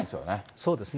そうですね。